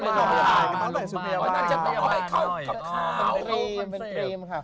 การเป็นฯิ่ม